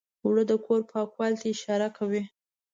اوړه د کور پاکوالي ته اشاره کوي